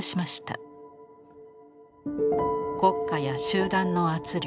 国家や集団の圧力。